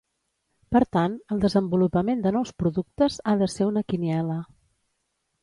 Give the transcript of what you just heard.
Per tant, el desenvolupament de nous productes ha de ser una quiniela.